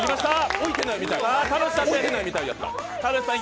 置いてないみたいやった。